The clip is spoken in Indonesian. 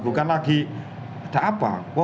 bukan lagi ada apa